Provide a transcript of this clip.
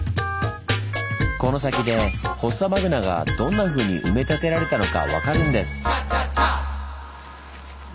この先でフォッサマグナがどんなふうに埋め立てられたのか分かるんです。